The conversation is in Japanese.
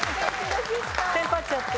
テンパっちゃって。